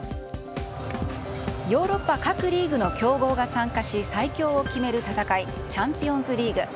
ヨーロッパ各リーグの強豪が参加し最強を決める戦いチャンピオンズリーグ。